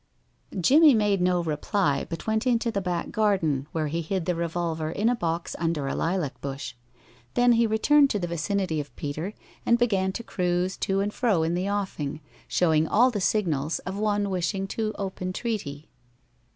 Jimmie made no reply, but went into the back garden, where he hid the revolver in a box under a lilac bush. Then he returned to the vicinity of Peter, and began to cruise to and fro in the offing, showing all the signals of one wishing to open treaty.